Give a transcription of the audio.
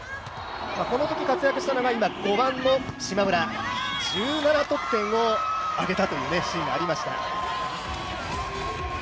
このとき活躍したのが今５番の島村、１７得点を挙げたというシーンがありました。